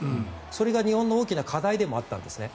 それが日本の大きな課題でもあったんです。